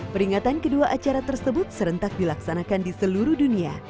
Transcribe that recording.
peringatan kedua acara tersebut serentak dilaksanakan di seluruh dunia